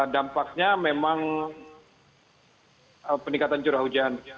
dampaknya memang peningkatan curah hujan